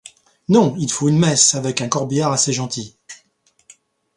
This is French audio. Non, il faut une messe, avec un corbillard assez gentil.